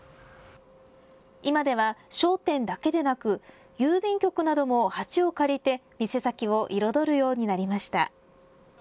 今では商店だけでなく郵便局なども鉢を借りて店先を彩るようになりました。